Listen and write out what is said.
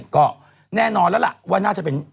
ก็แน่นอนแล้วล่ะว่าน่าจะเป็น